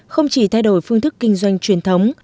không chỉ thay đổi phương thức kinh doanh truyền thống